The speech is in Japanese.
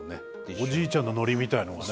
おじいちゃんのノリみたいなのがね。